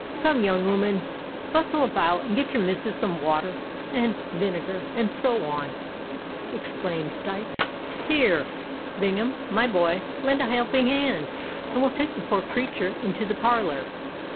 "Come, young o'oman, bustle about, and get your missus some water, and vinegar, and so on," exclaimed Dykes. "Here, Bingham, my boy, lend a helping hand, and we'll take the poor creatur into the parlour."